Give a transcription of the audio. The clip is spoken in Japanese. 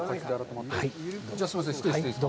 すいません、失礼して。